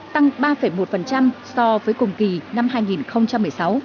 tăng ba một so với cùng kỳ năm hai nghìn một mươi sáu